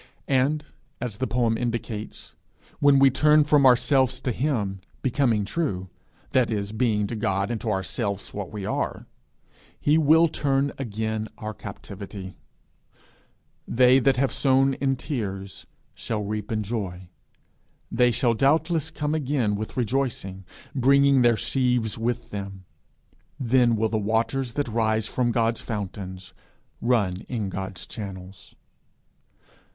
And, as the poem indicates, when we turn from ourselves to him, becoming true, that is, being to God and to ourselves what we are, he will turn again our captivity; they that have sown in tears shall reap in joy; they shall doubtless come again with rejoicing, bringing their sheaves with them. Then will the waters that rise from God's fountains, run in God's channels.